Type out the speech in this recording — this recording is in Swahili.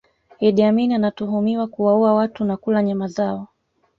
Idi Amin anatuhumiwa kuwaua watu na kula nyama zao